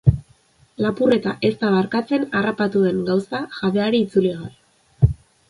Lapurreta ez da barkatzen harrapatu den gauza jabeari itzuli gabe.